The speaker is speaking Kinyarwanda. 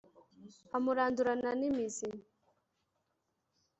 amurandurana n'imizi.